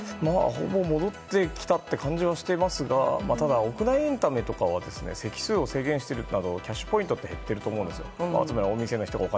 ほぼ戻ってきたって感じはしていますがただ屋内エンタメとかは席数を制限するなどキャッシュポイントは減っていると思うんですよ。